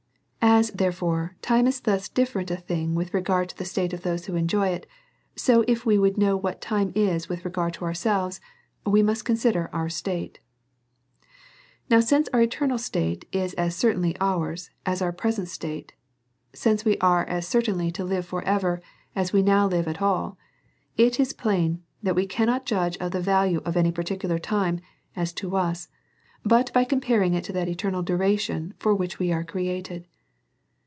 As, therefore, time is thus different a thing with re gard to the state of those who enjoy it, so if we would know what time is with regard to ourselves, we must consider our state. Now, since our eternal state is as certainly ours as our present state ; since we are as certainly to live for DEVOUT AND HOLY LIFE. 161 ever as we now live at all ; it is plain that we cannot judge of the value of any particular time, as to us, but by comparing it to that eternal duration for which we are created.